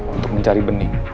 untuk mencari bening